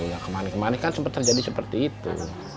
yang kemarin kemarin kan sempat terjadi seperti itu